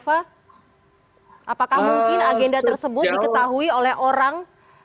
apakah mungkin agenda tersebut diketahui oleh orang